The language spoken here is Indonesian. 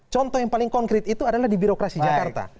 contoh yang paling konkret itu adalah di birokrasi jakarta